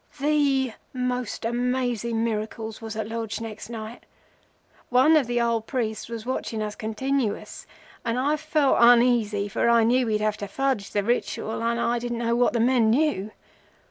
"The most amazing miracle was at Lodge next night. One of the old priests was watching us continuous, and I felt uneasy, for I knew we'd have to fudge the Ritual, and I didn't know what the men knew.